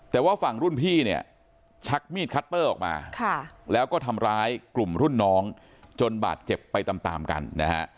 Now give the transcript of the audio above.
แต่ว่าฝั่งรุ่นพี่เนี่ยชักมีดคัตเตอร์ออกมาแล้วก็ทำร้ายกลุ่มรุ่นน้องจนบาดเจ็บไปตามตามกันนะฮะ